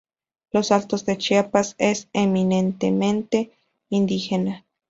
Los Altos de Chiapas es eminentemente indígena.